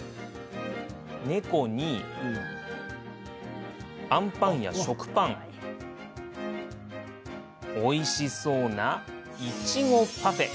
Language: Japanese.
猫に、あんパンや食パンおいしそうないちごパフェ。